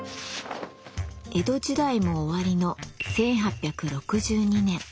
江戸時代も終わりの１８６２年。